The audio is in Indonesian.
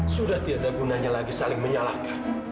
sudah tidak ada gunanya lagi saling menyalahkan